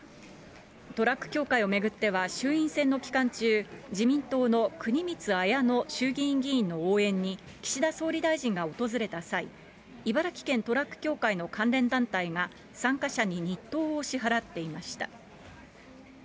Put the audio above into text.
トラック協会を巡っては、衆院選の期間中、自民党の国光文乃衆議院議員の応援に岸田総理大臣が訪れた際、茨城県トラック協会の関連団体が参加者に日当を支払っていました。